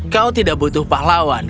kau tidak butuh pahlawan